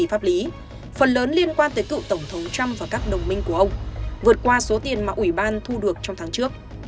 pháp lý phần lớn liên quan tới cựu tổng thống trump và các đồng minh của ông vượt qua số tiền mà ủy ban thu được trong tháng trước